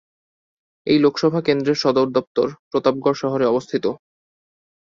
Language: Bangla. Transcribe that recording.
এই লোকসভা কেন্দ্রের সদর দফতর প্রতাপগড় শহরে অবস্থিত।